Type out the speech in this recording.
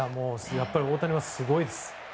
やっぱり大谷はすごいです。